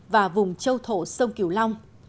và vùng châu thổ sông kiều long